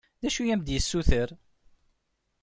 D acu i am-d-yessuter?